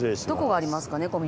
どこがありますかね？